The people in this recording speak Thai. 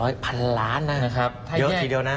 เยอะทีเดียวนะ